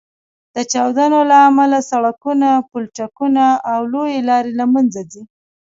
د چاودنو له امله سړکونه، پولچکونه او لویې لارې له منځه ځي